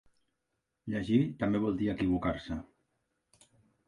Llegir també vol dir equivocar-se.